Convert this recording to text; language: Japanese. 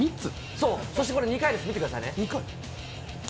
そう、そしてこれ２回です、見てくださいね。